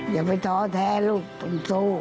อย่าไปท้อแท้ลูกต้องสู้